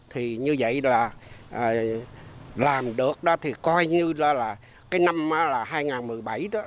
thì như vậy là làm được đó thì coi như là cái năm là hai nghìn một mươi bảy đó